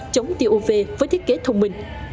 chống tiêu uv với thiết kế thông minh